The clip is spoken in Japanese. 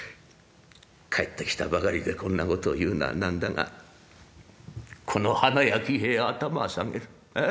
帰ってきたばかりでこんなことを言うのは何だがこの花屋喜兵衛頭下げる。